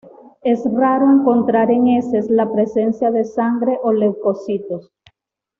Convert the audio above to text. Es raro encontrar en heces la presencia de sangre o leucocitos.